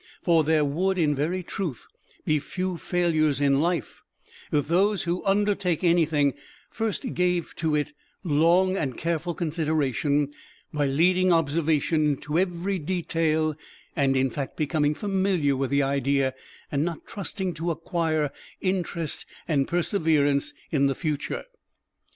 For there would in very truth be few failures in life if those who undertake anything first gave to it long and careful consideration by leading observation into every detail, and, in fact, becoming familiar with the idea, and not trusting to acquire interest and perseverance in the future.